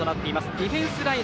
ディフェンスライン